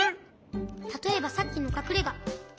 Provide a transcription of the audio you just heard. たとえばさっきのかくれが。